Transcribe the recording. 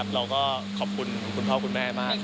เราก็ขอบคุณคุณพ่อคุณแม่มาก